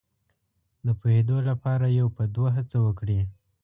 د پوهېدو لپاره یو په دوه هڅه وکړي.